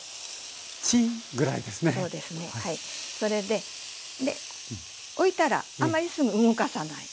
で置いたらあんまりすぐ動かさない。